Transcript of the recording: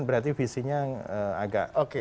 berarti visinya agak